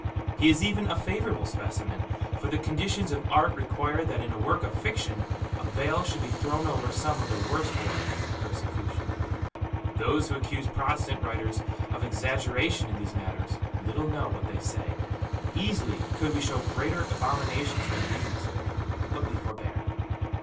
He is even a favourable specimen; for the conditions of art require that in a work of fiction a veil should be thrown over some of the worst horrors of persecution. Those who accuse Protestant writers of exaggeration in these matters, little know what they say. Easily could we show greater abominations than these; but we forbear.